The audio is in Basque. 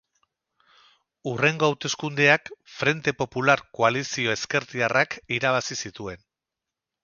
Hurrengo hauteskundeak Frente Popular koalizio ezkertiarrak irabazi zituen.